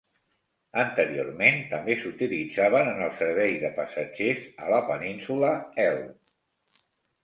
Anteriorment també s'utilitzaven en el servei de passatgers a la Península Hel.